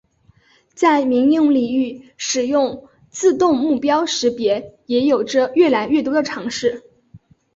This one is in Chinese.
在民用领域使用自动目标识别也有着越来越多的尝试。